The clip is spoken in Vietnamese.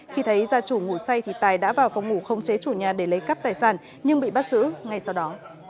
khi thấy gia chủ ngủ say thì tài đã vào phòng ngủ không chế chủ nhà để lấy cắp tài sản nhưng bị bắt giữ ngay sau đó